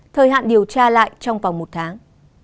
thời hạn điều tra lại trong vòng một tháng